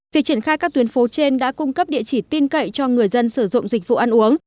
việc triển khai các tuyến phố trên đã cung cấp địa chỉ tin cậy cho người dân sử dụng dịch vụ ăn uống